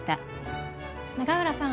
永浦さん